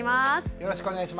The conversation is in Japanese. よろしくお願いします。